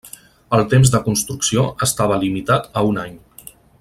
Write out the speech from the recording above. El temps de construcció estava limitat a un any.